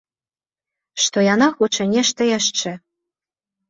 Што яна хоча нешта яшчэ.